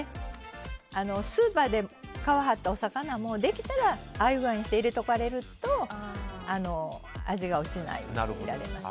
スーパーで買わはったお魚もできたら、ああいうふうにして入れておくと味が落ちないです。